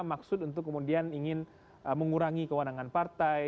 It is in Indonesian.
maksud untuk kemudian ingin mengurangi kewenangan partai